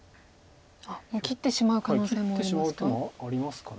切ってしまう可能性もありますか？